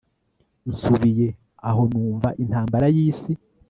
Nsubiye aho numva intambara yisi